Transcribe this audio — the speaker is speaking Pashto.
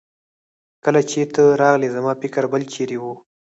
کله چې ته راغلې زما فکر بل چيرې وه.